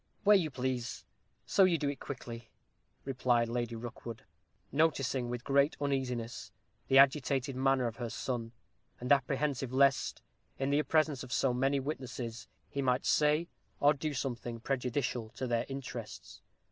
"Where you please, so you do it quickly," replied Lady Rookwood, noticing, with great uneasiness, the agitated manner of her son, and apprehensive lest, in the presence of so many witnesses, he might say or do something prejudicial to their interests.